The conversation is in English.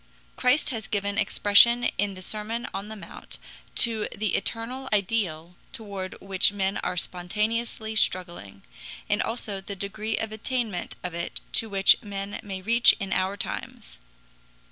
Christ has given expression in the Sermon on the Mount to the eternal ideal toward which men are spontaneously struggling, and also the degree of attainment of it to which men may reach in our times.